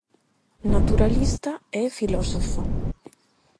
Naturalista e filósofo.